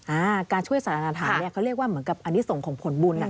อ้าวการช่วยสัตว์อนาถาเขาเรียกว่ามีอันนี้ที่ส่งของผลบุญ